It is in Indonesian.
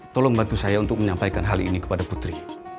tolong bantu saya untuk menyampaikan hal ini kepada putri